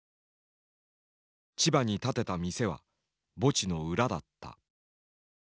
千葉に建てた店は墓地の裏だった。